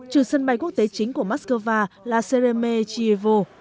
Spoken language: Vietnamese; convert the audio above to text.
trừ sân bay quốc tế chính của mắc scova là sereme chievo